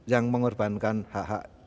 yang mengorbankan hak hak